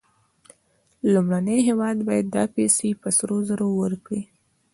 لومړنی هېواد باید دا پیسې په سرو زرو ورکړي